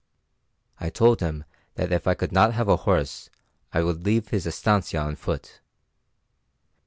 I told him that if I could not have a horse I would leave his estancia on foot.